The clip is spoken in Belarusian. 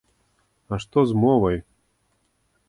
А што з мовай?!